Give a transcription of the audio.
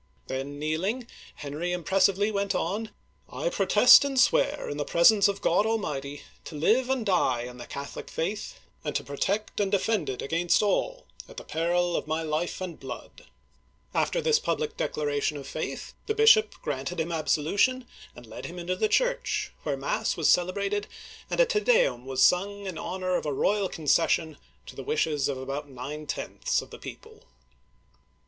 Then, kneeling, Henry impressively went on : "I protest and swear, in the presence of God Digitized by Google HENRY IV. (1589 1610) 287 Almighty, to live and die in the Catholic faith, and to protect and defend it against all, at the peril of my life and blood !" After this public declaration of faith, the bishop granted him absolution, and led him into the church, where mass was celebrated, and a Te Deum was siing in honor of a royal concession to the wishes of about nine tenths of the people.